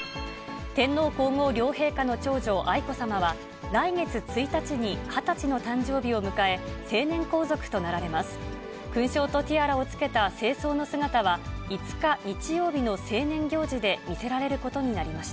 天皇皇后両陛下の長女、愛子さまは、来月１日に２０歳の誕生日を迎え、成年皇族となられます。